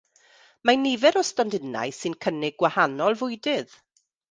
Mae nifer o stondinau sy'n cynnig gwahanol fwydydd.